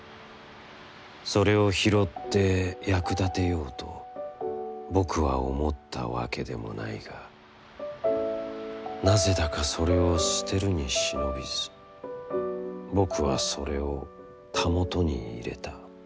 それを拾って、役立てようと僕は思ったわけでもないがなぜだかそれを捨てるに忍びず僕はそれを、袂に入れた。